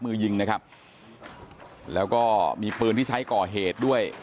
มือยิงนะครับแล้วก็มีปืนที่ใช้ก่อเหตุด้วย